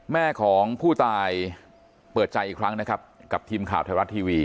แม่ของผู้ตายเปิดใจอีกครั้งนะครับกับทีมข่าวไทยรัฐทีวี